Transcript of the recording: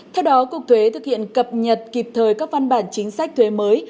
theo đó cục thuế thực hiện cập nhật kịp thời các văn bản chính sách thuế mới